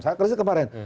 saya krisis kemarin